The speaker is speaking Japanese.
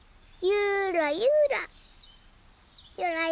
ゆらゆら。